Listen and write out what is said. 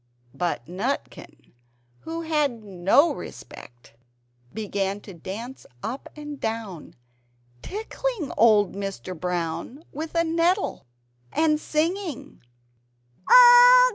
But Nutkin, who had no respect, began to dance up and down, tickling old Mr. Brown with a NETTLE and singing "Old Mr. B!